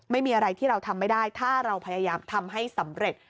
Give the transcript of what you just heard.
ไม่มีอะไรที่เราทำไม่ได้ถ้าเราพยายามทำให้สำเร็จ